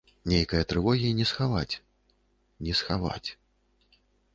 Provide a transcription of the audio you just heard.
Нейкае трывогі не схаваць, не схаваць.